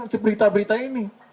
seberita berita ini